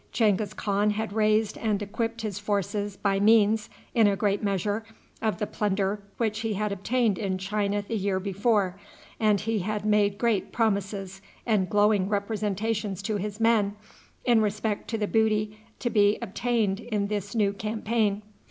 Genghis Khan had raised and equipped his forces by means, in a great measure, of the plunder which he had obtained in China the year before, and he had made great promises and glowing representations to his men in respect to the booty to be obtained in this new campaign.